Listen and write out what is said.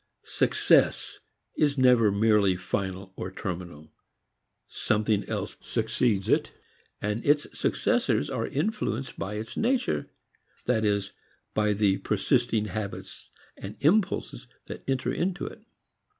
"Success" is never merely final or terminal. Something else succeeds it, and its successors are influenced by its nature, that is by the persisting habits and impulses that enter into it.